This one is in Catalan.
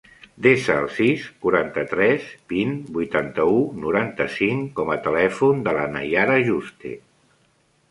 Desa el sis, quaranta-tres, vint, vuitanta-u, noranta-cinc com a telèfon de la Naiara Juste.